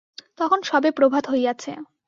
তখন সবে প্রভাত হইয়াছে।